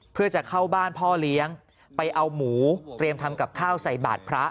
เพื่อจะเข้าบ้านพ่อเลี้ยงไปเอาหมูเตรียมทำกับข้าวใส่บาทพระ